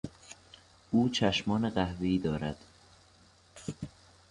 او چشمان قهوهای دارد.